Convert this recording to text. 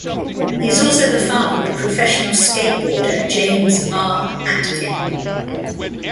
He is also the father of professional skateboarder James R. Atkin.